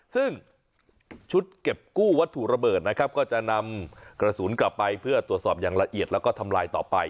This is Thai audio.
ซึ่งชุดเก็บกู้วัตถุระเบิดนะครับก็จะนำกระสุนกลับไปเพื่อตรวจสอบอย่างละเอียดแล้วก็ทำลายต่อไป